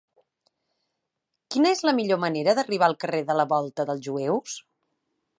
Quina és la millor manera d'arribar al carrer de la Volta dels Jueus?